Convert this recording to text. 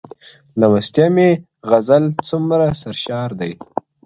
o له مستیه مي غزل څومره سرشار دی,